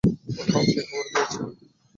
অহ, আপনি খবর পেয়ছেন।